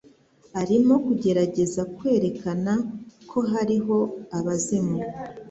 Arimo kugerageza kwerekana ko hariho abazimu.